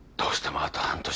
あと半年